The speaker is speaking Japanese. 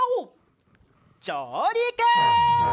じょうりく！